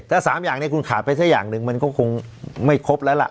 ถ้า๓อย่างนี้คุณขาดไปสักอย่างหนึ่งมันก็คงไม่ครบแล้วล่ะ